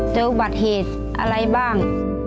เจออุบัติเหตุอะไรบ้าง